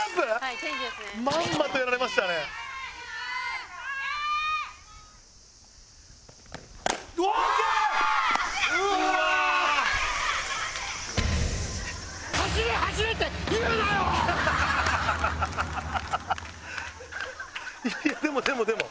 いやいやでもでもでも。